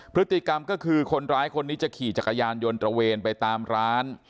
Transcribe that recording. พฤติกรรมก็คือคนร้ายคนนี้จะขี่จักรยานยนต์ตระเวนไปตามร้าน